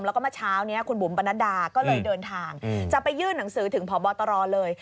แล้วก็เมื่อเช้านี้คุณบุ๋มปนัดดาก็เลยเดินทางจะไปยื่นหนังสือถึงพบตรเลย